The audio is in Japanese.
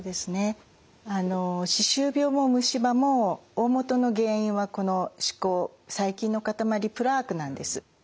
あの歯周病も虫歯も大本の原因はこの歯垢細菌の塊プラークなんです。